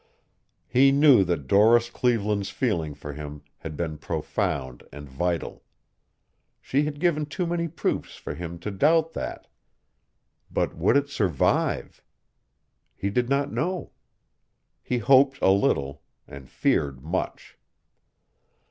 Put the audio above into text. He knew that Doris Cleveland's feeling for him had been profound and vital. She had given too many proofs for him to doubt that. But would it survive? He did not know. He hoped a little and feared much.